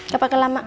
gak pakai lama